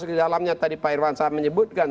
di dalamnya tadi pak irwan saya menyebutkan